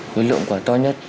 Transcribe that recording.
với lượng quả to nhất